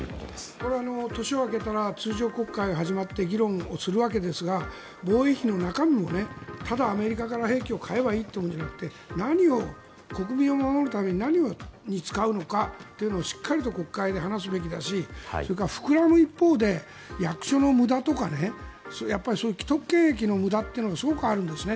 これは年が明けたら通常国会が始まって議論をするわけですが防衛費の中身もただアメリカから兵器を買えばいいというものではなくて国民を守るために何に使うのかということをしっかりと国会で話すべきだしそれから膨らむ一方で役所の無駄とか既得権益の無駄っていうのがすごくあるんですね。